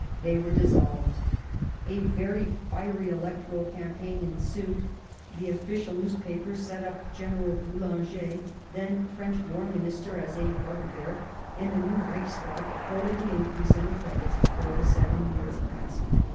They were dissolved. A very fiery electoral campaign ensued ; the official newspapers set up General Boulanger, then French War Minister, as a bugbear, and the new Reichstag voted the increase in the credits for the seven years asked for.